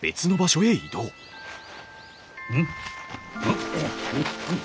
うん？